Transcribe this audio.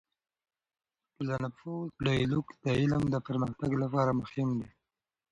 د ټولنپوه ديالوګ د علم د پرمختګ لپاره مهم دی.